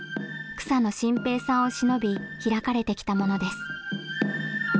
草野心平さんをしのび開かれてきたものです。